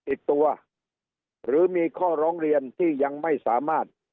ติดตัวหรือมีข้อร้องเรียนที่ยังไม่สามารถ